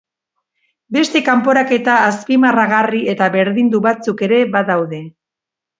Beste kanporaketa azpimarragarri eta berdindu batzuk ere badaude.